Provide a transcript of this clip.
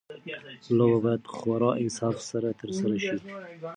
لوبه باید په خورا انصاف سره ترسره شي.